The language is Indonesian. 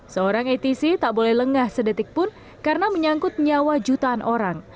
seorang atc tak boleh lengah sedetik pun karena menyangkut nyawa jutaan orang